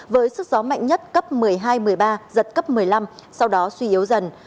với sức gió mạnh nhất cấp một mươi hai một mươi ba giật cấp một mươi năm sau đó suy yếu dần